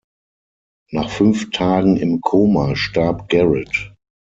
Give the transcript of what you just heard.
Nach fünf Tagen im Koma starb Garrett.